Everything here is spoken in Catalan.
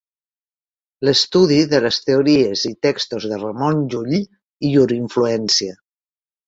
L'estudi de les teories i textos de Ramon Llull i llur influència.